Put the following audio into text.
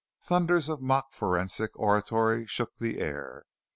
Thunders of mock forensic oratory shook the air.